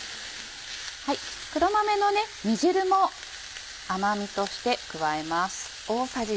黒豆の煮汁も甘みとして加えます。